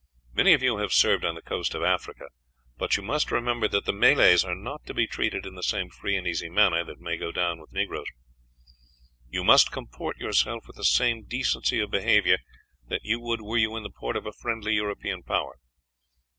Many of you have served on the coast of Africa, but you must remember that the Malays are not to be treated in the same free and easy manner that may go down with negroes. You must comport yourselves with the same decency of behavior that you would were you in the port of a friendly European Power.